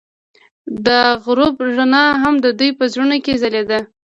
د غروب رڼا هم د دوی په زړونو کې ځلېده.